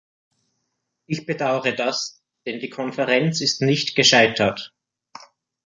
Ich bedauere das, denn die Konferenz ist nicht gescheitert.